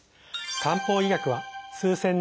漢方医学は数千年の経験